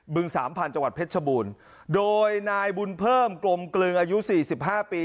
ึงสามพันธุ์จังหวัดเพชรชบูรณ์โดยนายบุญเพิ่มกลมกลึงอายุสี่สิบห้าปี